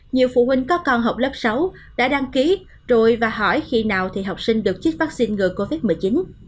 nhiều phụ huynh có con học lớp sáu đã đăng ký rồi và hỏi khi nào thì học sinh được chích vaccine ngừa covid một mươi chín